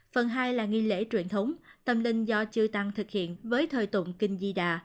phần hai là nghi lễ truyền thống tâm linh do chư tăng thực hiện với thời tụng kinh di đà